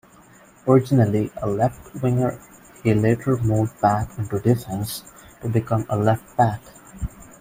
Originally a left-winger, he later moved back into defence to become a left back.